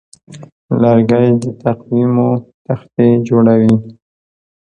لرګی د تقویمو تختې جوړوي.